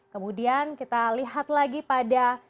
kemudian kita lihat lagi pada